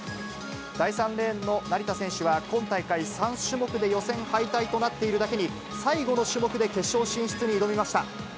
第３レーンの成田選手は今大会３種目で予選敗退となっているだけに、最後の種目で決勝進出に挑みました。